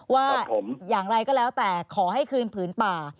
ว่าอย่างไรก็แล้วแต่ขอให้คืนผืนป่า